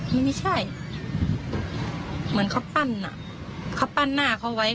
มันไม่ใช่เหมือนเขาปั้นอ่ะเขาปั้นหน้าเขาไว้